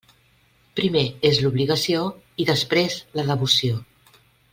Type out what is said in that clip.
Primer és l'obligació i després la devoció.